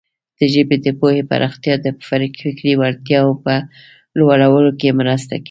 د ژبې د پوهې پراختیا د فکري وړتیاوو په لوړولو کې مرسته کوي.